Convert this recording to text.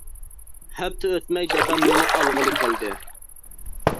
ھەپتە ئۆتمەي دادام مېنى ئالغىلى كەلدى.